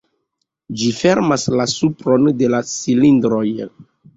Ĝi fermas la supron de la cilindroj.